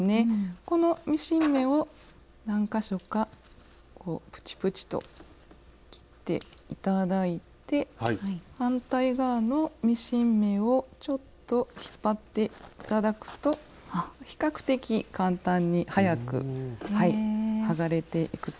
このミシン目を何か所かこうプチプチと切って頂いて反対側のミシン目をちょっと引っ張って頂くと比較的簡単に早く剥がれていくと思いますので。